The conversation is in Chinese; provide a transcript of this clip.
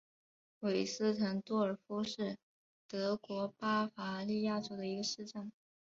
韦斯滕多尔夫是德国巴伐利亚州的一个市镇。